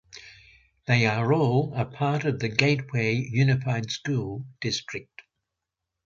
They are all a part of the Gateway Unified School District.